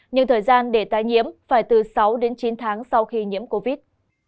nhưng thời gian để tái nhiễm phải từ sáu đến chín tháng sau khi nhiễm covid